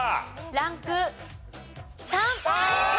ランク３。